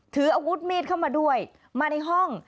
ถืออาวุธมีดเข้ามาด้วยมาในห้อง